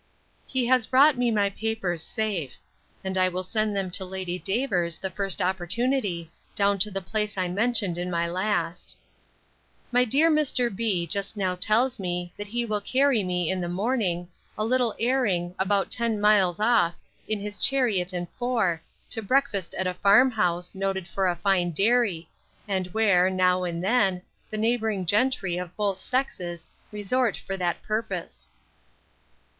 He has brought me my papers safe: and I will send them to Lady Davers the first opportunity, down to the place I mentioned in my last. My dear Mr. B—— just now tells me, that he will carry me, in the morning, a little airing, about ten miles off, in his chariot and four, to breakfast at a farm house, noted for a fine dairy, and where, now and then, the neighbouring gentry, of both sexes, resort for that purpose.